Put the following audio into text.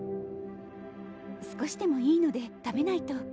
少しでもいいので食べないと。